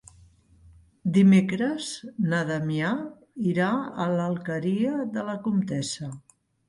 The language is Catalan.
Dimecres na Damià irà a l'Alqueria de la Comtessa.